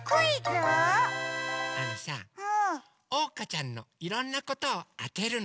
あのさおうかちゃんのいろんなことをあてるの！